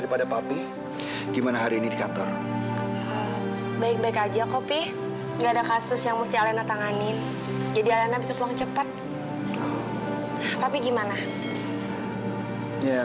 sampai jumpa di video selanjutnya